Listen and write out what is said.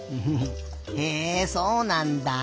へえそうなんだ。